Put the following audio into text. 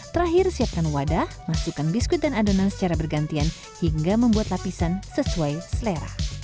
terakhir siapkan wadah masukkan biskuit dan adonan secara bergantian hingga membuat lapisan sesuai selera